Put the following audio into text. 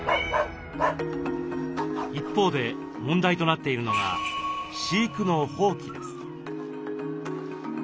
一方で問題となっているのが飼育の放棄です。